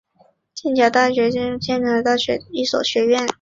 剑桥大学基督学院是剑桥大学的一所学院。